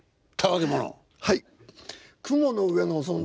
はい。